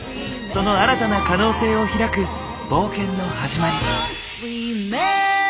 その新たな可能性を開く冒険の始まり。